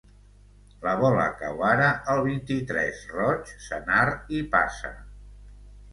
La bola cau ara al vint-i-tres, roig, senar i passa.